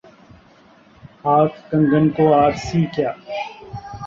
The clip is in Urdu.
ہاتھ کنگن کو آرسی کیا؟